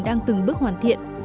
đang từng bước hoàn thiện